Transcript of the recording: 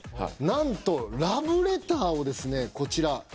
何とラブレターをですねこちら。